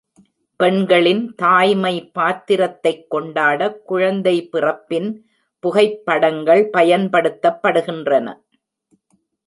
பெண்களின் தாய்மை பாத்திரத்தைக் கொண்டாட குழந்தை பிறப்பின் புகைப்படங்கள் பயன்படுத்தப்படுகின்றன